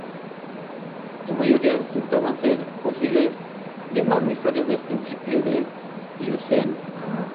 En su mayoría resultaban ser fósiles de mamíferos del principio del plioceno.